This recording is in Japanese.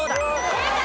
正解！